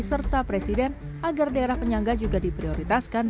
serta presiden agar daerah penyangga juga diprioritaskan